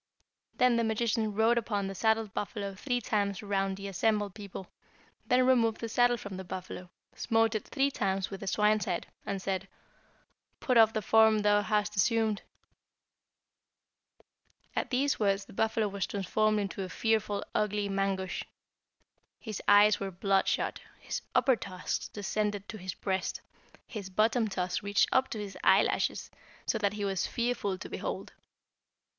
Then the magician rode upon the saddled buffalo three times around the assembled people, then removed the saddle from the buffalo, smote it three times with the swine's head, and said, 'Put off the form thou hast assumed.' "At these words the buffalo was transformed into a fearful ugly Mangusch. His eyes were bloodshot, his upper tusks descended to his breast, his bottom tusks reached up to his eyelashes, so that he was fearful to behold.